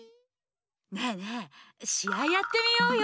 ねえねえしあいやってみようよ！